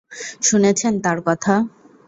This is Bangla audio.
শুনেছেন তার কথা?